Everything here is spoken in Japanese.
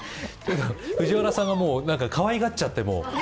藤原さんがもう、かわいがっちゃって。